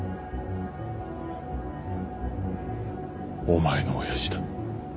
お前の親父だ。